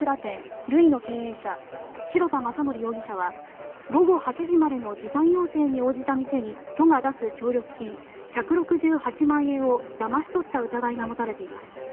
ＬＯＵＩＳの経営者白田匡憲容疑者は午後８時までの時短要請に応じた店に都が出す協力金１６８万円をだまし取った疑いが持たれています。